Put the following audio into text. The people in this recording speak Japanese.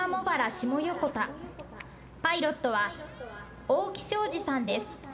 パイロットは大木祥資さんです。